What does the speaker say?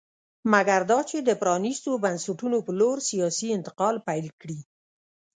مګر دا چې د پرانېستو بنسټونو په لور سیاسي انتقال پیل کړي